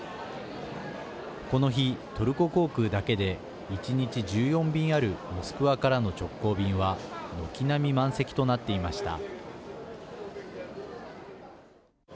この日、トルコ航空だけで１日１４便あるモスクワからの直行便は軒並み満席となっていました。